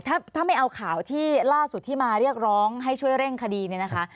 ถ้าไม่เอาข่าวที่ล่าสุดที่มาเรียกร้องให้ช่วยเร่งคดีเนี่ยนะคะ